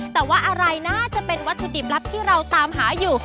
แต่ว่าอะไรน่าจะเป็นวัตถุดิบลับที่เราตามหาอยู่